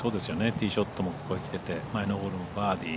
ティーショットもここにきてて、前のホールもバーディー。